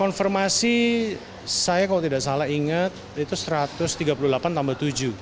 konfirmasi saya kalau tidak salah ingat itu satu ratus tiga puluh delapan tambah tujuh